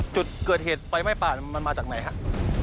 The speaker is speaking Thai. จุดเกิดเหตุไฟไหม้ป่ามันมาจากไหนครับ